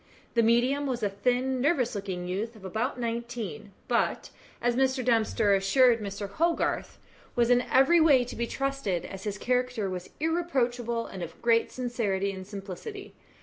The medium was a thin, nervous looking youth of about nineteen; but, as Mr. Dempster assured Mr. Hogarth, was in every way to be trusted, as his character was irreproachable, and of great sincerity and simplicity.